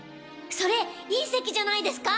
それ隕石じゃないですか？